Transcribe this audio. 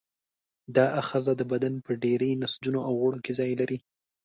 دا آخذه د بدن په ډېری نسجونو او غړو کې ځای لري.